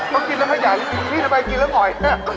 ต้องกินแล้วให้อย่างนี้พี่จะไปกินแล้วหน่อย